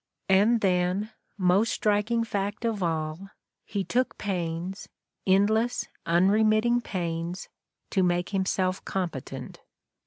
And then, most striking fact of all, he took pains, endless, unremitting pains, to make himself competent.